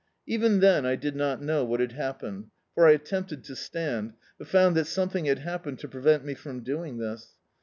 Even then I did not know what had happened, for I attempted to stand, but found that something had happened to prevent me from doing this.